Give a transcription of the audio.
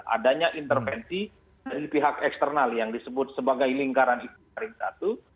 adanya intervensi dari pihak eksternal yang disebut sebagai lingkaran satu